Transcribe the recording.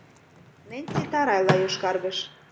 Ненси тарайла йошкаргыш.